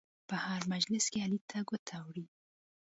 په هر مجلس کې علي ته ګوته وړي.